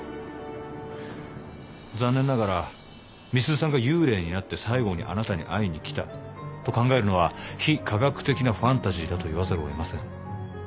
残念ながら美鈴さんが幽霊になって最後にあなたに会いに来たと考えるのは非科学的なファンタジーだと言わざるをえません。